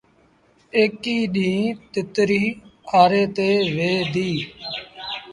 ايڪيٚ ڏيٚݩهݩ تتريٚ آري تي ويه ديٚ۔